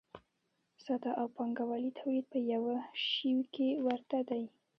ساده او پانګوالي تولید په یوه شي کې ورته دي.